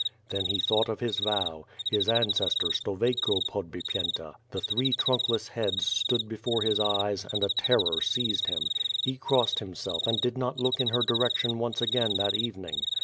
Then he thought of his vow; his ancestor, Stoveyko Podbipyenta; the three trunkless heads stood before his eyes, and a terror seized him. He crossed himself and did not look in her direction once again that evening.